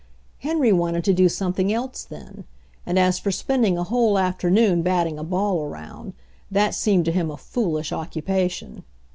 Henry wanted to do something else then. And as for spending a whole afternoon batting a ball around, that seemed to him a foolish occu pation.